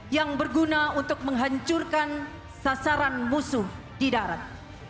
yang berguna untuk menghancurkan sasaran musuh di darat